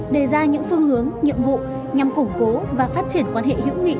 đề ra những phương hướng nhiệm vụ nhằm củng cố và phát triển quan hệ hữu nghị